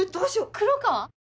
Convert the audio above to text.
黒川⁉